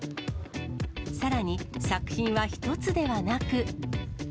さらに、作品は１つではなく。